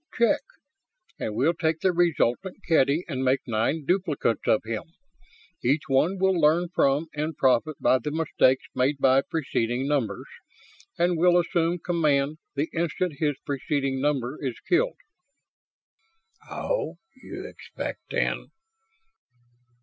"Check. And we'll take the resultant Kedy and make nine duplicates of him. Each one will learn from and profit by the mistakes made by preceding numbers and will assume command the instant his preceding number is killed." "Oh, you expect, then...?"